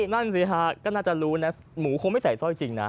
นั่นสิฮะก็น่าจะรู้นะหมูคงไม่ใส่สร้อยจริงนะ